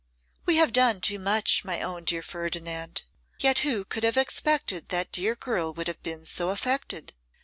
'We have done too much, my own dear Ferdinand. Yet who could have expected that dear girl would have been so affected?